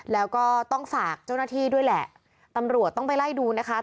แล้วก็ต้องฝากเจ้าหน้าที่ด้วยแหละตำรวจต้องไปไล่ดูนะคะ